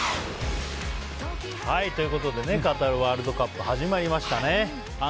ということでカタールワールドカップ始まりましたね。